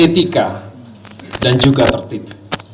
beretika dan juga tertib